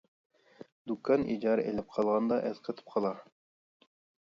دۇكان ئىجارە ئېلىپ قالغاندا ئەسقېتىپ قالار.